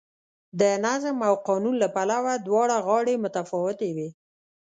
د نظم او قانون له پلوه دواړه غاړې متفاوتې وې.